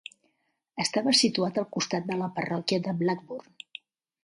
Estava situat al costat de la parròquia de Blackburn.